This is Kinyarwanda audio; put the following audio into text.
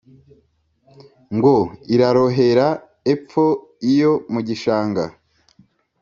Ngo : "Irarohera epfo iyo mu gishanga!